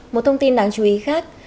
một thông tin đáng chú ý khác